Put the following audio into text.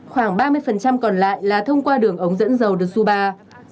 khoảng ba mươi còn lại là thông qua đường ống dẫn dầu dsuba